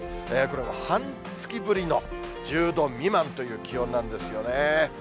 これは半月ぶりの１０度未満という気温なんですよね。